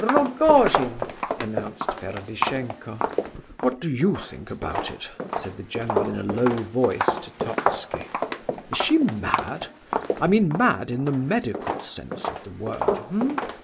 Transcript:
"Rogojin!" announced Ferdishenko. "What do you think about it?" said the general in a low voice to Totski. "Is she mad? I mean mad in the medical sense of the word